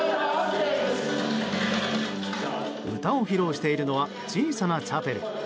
歌を披露しているのは小さなチャペル。